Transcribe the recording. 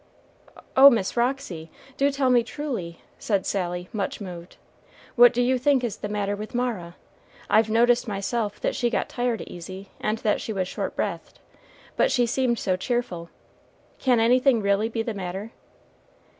"Oh, Miss Roxy, do tell me truly," said Sally, much moved. "What do you think is the matter with Mara? I've noticed myself that she got tired easy, and that she was short breathed but she seemed so cheerful. Can anything really be the matter?"